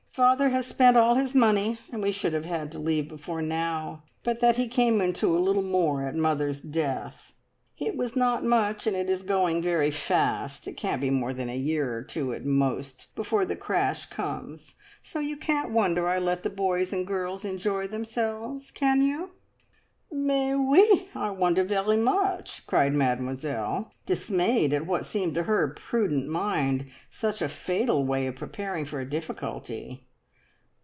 Father has spent all his money, and we should have had to leave before now, but that he came into a little more at mother's death. It was not much, and it is going very fast. It can't be more than a year or two at most before the crash comes, so you can't wonder I let the boys and girls enjoy themselves, can you?" "Mais oui! I wonder very much!" cried Mademoiselle, dismayed at what seemed to her prudent mind such a fatal way of preparing for a difficulty.